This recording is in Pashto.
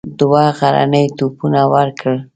دوه غرني توپونه ورکړل.